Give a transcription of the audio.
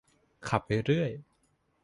ขับไปเรื่อย